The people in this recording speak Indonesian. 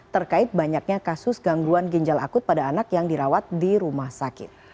terkait banyaknya kasus gangguan ginjal akut pada anak yang dirawat di rumah sakit